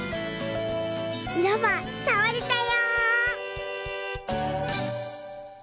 ロバさわれたよ！